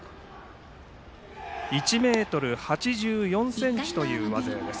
１ｍ８４ｃｍという上背です。